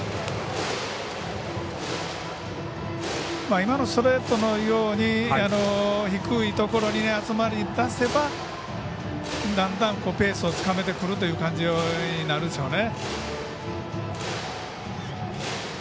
今のストレートのように低いところに集まりだせばだんだんペースをつかめてくるという感じになるんでしょうね。